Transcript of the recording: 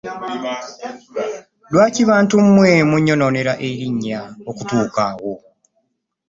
Lwaki bantu mmwe munnyonoonera erinnya okutuuka awo?